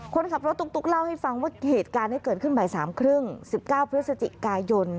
คนขับรถตุ๊กเล่าให้ฟังว่าเหตุการณ์เกิดขึ้นบ่ายสามครึ่ง๑๙เพื่อสจิกายน